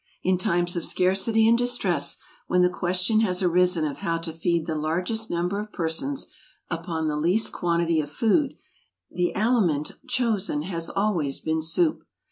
In times of scarcity and distress, when the question has arisen of how to feed the largest number of persons upon the least quantity of food, the aliment chosen has always been soup.